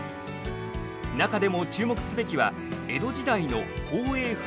中でも注目すべきは江戸時代の宝永噴火。